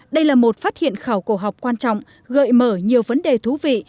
đây là một phát hiện khảo cổ học quan trọng gợi mở nhiều vấn đề thú vị